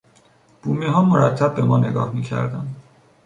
بومیها مرتب به ما نگاه میکردند.